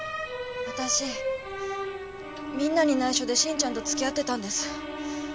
私みんなに内緒で信ちゃんと付き合ってたんです。